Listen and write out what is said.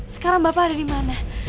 sekarang bapak ada dimana